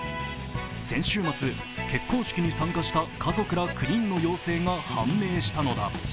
先週末、結婚式に参加した家族ら９人の陽性が判明したのだ。